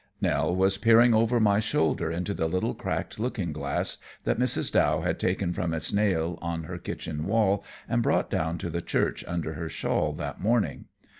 Nell was peering over my shoulder into the little cracked looking glass that Mrs. Dow had taken from its nail on her kitchen wall and brought down to the church under her shawl that morning.